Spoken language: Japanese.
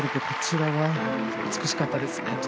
こちらは美しかったですね。